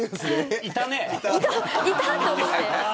いたと思って。